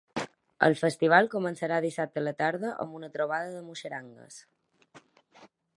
El festival començarà dissabte a la tarda amb una trobada de muixerangues.